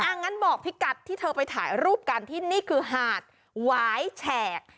งั้นบอกพี่กัดที่เธอไปถ่ายรูปกันที่นี่คือหาดหวายแฉก